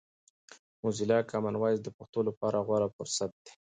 موزیلا کامن وایس د پښتو لپاره غوره فرصت دی.